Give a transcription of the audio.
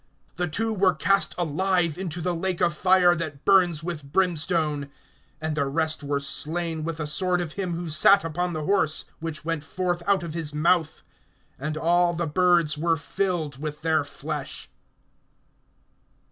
The two were cast alive into the lake of fire, that burns with brimstone. (21)And the rest were slain with the sword of him who sat upon the horse, which went forth out of his mouth; and all the birds were filled with their flesh.